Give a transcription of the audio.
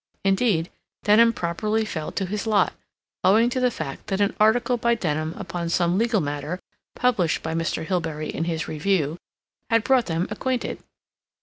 Indeed, Denham properly fell to his lot, owing to the fact that an article by Denham upon some legal matter, published by Mr. Hilbery in his Review, had brought them acquainted.